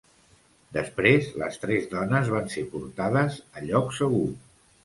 Després les tres dones van ser portades a lloc segur.